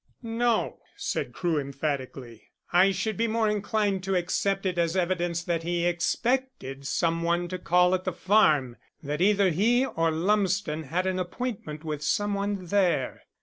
"No," said Crewe emphatically. "I should be more inclined to accept it as evidence that he expected some one to call at the farm that either he or Lumsden had an appointment with some one there."